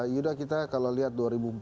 yaudah kita kalau lihat dua ribu empat belas